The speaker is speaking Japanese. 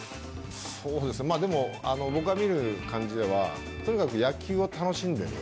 僕が見る感じではとにかく野球を楽しんでいる。